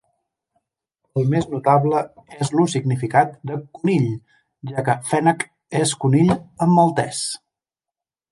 El més notable és el significat de "conill", ja que "fenek" és conill en maltès.